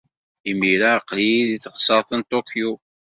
Imir-a, aql-iyi deg teɣsert n Tokyo.